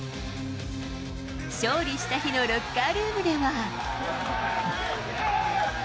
勝利した日のロッカールームでは。